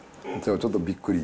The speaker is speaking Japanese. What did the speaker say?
ちょっとびっくり。